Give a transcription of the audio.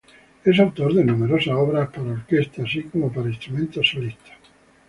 Es autor de numerosas obras para orquesta, así como para instrumentos solistas.